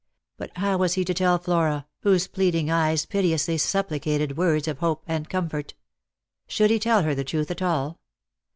But how was he to tell Flora, whose pleading eyes piteously supplicated words of hope and comfort? Should he tell her the truth at all?